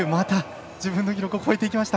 自分の記録を超えてきました。